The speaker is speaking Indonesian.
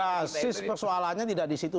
basis persoalannya tidak di situ